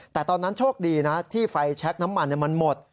แต่ตอนนั้นโชคดีนะที่ไฟแชคน้ำมันมันหมด